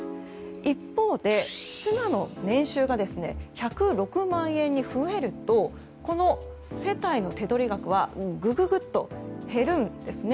一方で妻の年収が１０６万円に増えるとこの世帯の手取り額はグッと減るんですね。